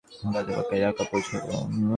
এখন যদি রওনা দিই তা হলে কতক্ষণে ঢাকা পৌঁছব?